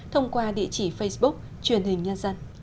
thông qua địa chỉ facebook truyền hình nhân dân